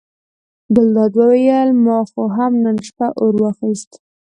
ګلداد وویل ما خو هم نن شپه اور واخیست.